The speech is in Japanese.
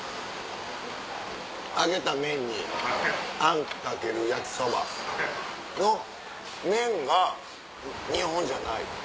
揚げた麺にあんかける焼きそばの麺が日本じゃない。